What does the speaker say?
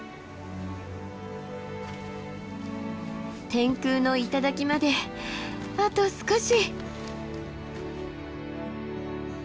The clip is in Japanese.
天空の頂まであと少し。